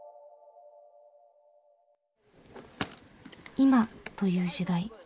「今」という時代。